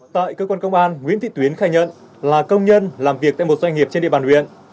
tại cơ quan công an nguyễn thị tuyến khai nhận là công nhân làm việc tại một doanh nghiệp trên địa bàn huyện